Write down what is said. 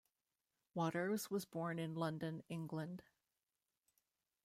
Waters was born in London, England.